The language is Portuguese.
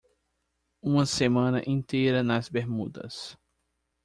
Uma semana inteira nas Bermudas.